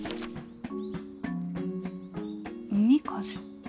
海風。